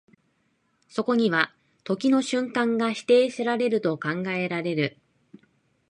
そこには時の瞬間が否定せられると考えられる。